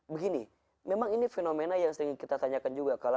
begini memang ini fenomena yang sering kita tanyakan juga